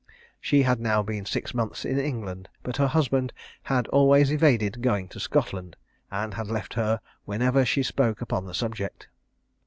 She had now been six months in England; but her husband had always evaded going to Scotland, and had left her whenever she spoke upon the subject.